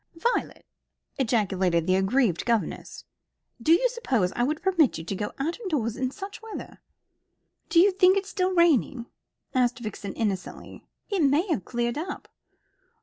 "Violet!" ejaculated the aggrieved governess. "Do you suppose I would permit you to go out of doors in such weather?" "Do you think it's still raining?" asked Vixen innocently. "It may have cleared up.